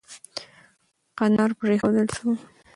کندهار پرېښودل سو.